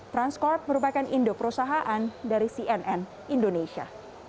transcorp merupakan indoprosahaan dari cnn indonesia